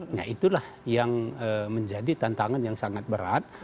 nah itulah yang menjadi tantangan yang sangat berat